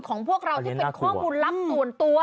พวกเราที่เป็นข้อมูลลับส่วนตัว